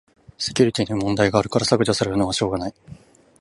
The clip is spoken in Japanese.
セキュリティに問題あるから削除されるのはしょうがない